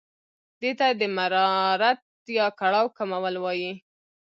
دې ته د مرارت یا کړاو کمول وايي.